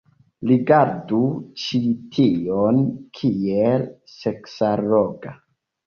Rigardu ĉi tion. Kiel seksalloga.